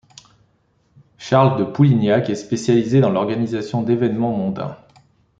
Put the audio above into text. Charles de Poulignac est spécialisé dans l'organisation d'événements mondains.